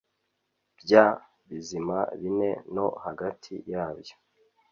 bya bizima bine no hagati yabyo